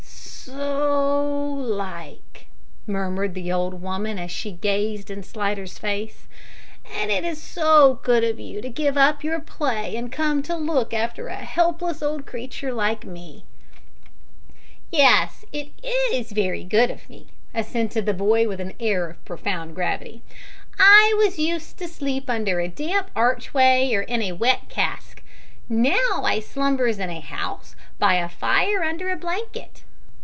"So like," murmured the old woman, as she gazed in Slidder's face. "And it is so good of you to give up your play and come to look after a helpless old creature like me." "Yes, it is wery good of me," assented the boy, with an air of profound gravity; "I was used to sleep under a damp archway or in a wet cask, now I slumbers in a 'ouse by a fire, under a blankit.